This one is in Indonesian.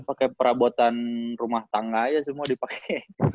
pake perabotan rumah tangga aja semua dipake